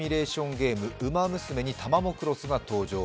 ゲームに「ウマ娘」にタマモクロスが登場。